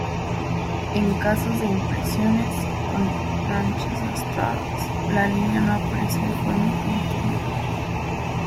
En casos de impresiones con planchas gastadas, la línea no aparece de forma continua.